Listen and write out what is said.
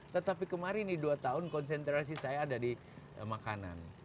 tetapi kemarin di dua tahun konsentrasi saya ada di makanan